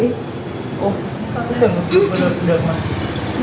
ủa tôi cũng tưởng được mà